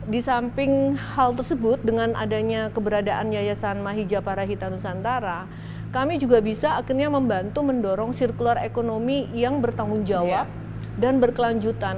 di samping hal tersebut dengan adanya keberadaan yayasan mahijapara hitanusantara kami juga bisa akhirnya membantu mendorong sirkular ekonomi yang bertanggung jawab dan berkelanjutan